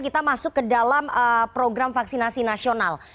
kita masuk ke dalam program vaksinasi nasional